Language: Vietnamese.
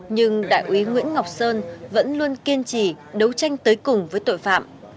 nhưng đại úy nguyễn ngọc sơn vẫn luôn kiên trì đấu tranh tới cùng với tội phạm